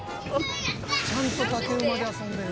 ちゃんと竹馬で遊んでる。